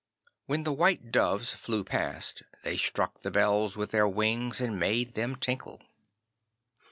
When the white doves flew past, they struck the bells with their wings and made them tinkle.